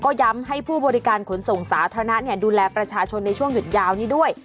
ก็ย้ำให้ผู้บริการขนส่งสาธารณะดูแลประชาชนในช่วงหยุดยาวนี้ด้วย